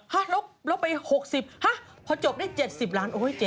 ห้ะลดไป๖๐พอจบได้๗๐ล้านโอ๊ยเจ๊